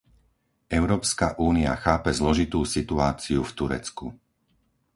Európska únia chápe zložitú situáciu v Turecku.